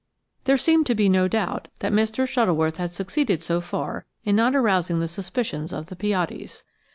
There seemed to be no doubt that Mr. Shuttleworth had succeeded so far in not arousing the suspicions of the Piattis.